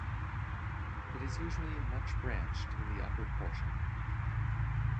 It is usually much branched in the upper portion.